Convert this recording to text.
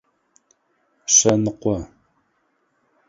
Шъэныкъо.